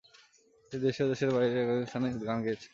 তিনি দেশে ও দেশের বাইরেও একাধিক স্থানে গান গেয়েছেন।